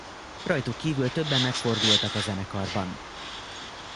Rajtuk kívül többen megfordultak a zenekarban.